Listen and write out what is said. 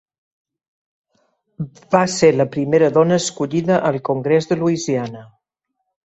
Va ser la primera dona escollida al Congrés de Louisiana.